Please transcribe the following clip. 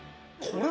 これ！」